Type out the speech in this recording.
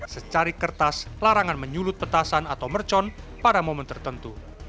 secari kertas larangan menyulut petasan atau mercon pada momen tertentu